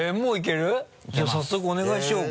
じゃあ早速お願いしようか。